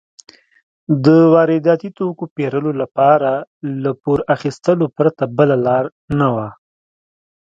د وارداتي توکو پېرلو لپاره له پور اخیستو پرته بله لار نه وه.